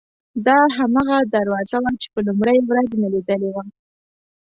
دا هماغه دروازه وه چې په لومړۍ ورځ مې لیدلې وه.